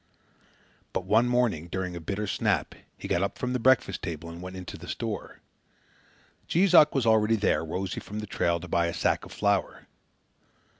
But one morning, during a bitter snap, he got up from the breakfast table and went into the store. Jees Uck was already there, rosy from the trail, to buy a sack of flour.